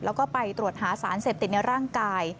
แล้วก็ไปตรวจหาสารเสพติดในร่างกาย